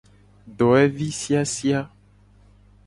Dowevi siasia.